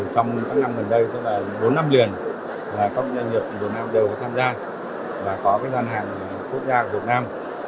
trong các năm gần đây tức là bốn năm liền các doanh nghiệp việt nam đều tham gia và có các doanh hàng quốc gia của việt nam